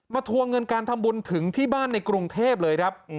ทวงเงินการทำบุญถึงที่บ้านในกรุงเทพเลยครับ